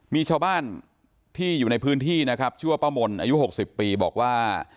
มีชาวบ้านที่อยู่ในพื้นที่นะครับชื่อว่าป้ามนอายุ๖๐ปีบอกว่า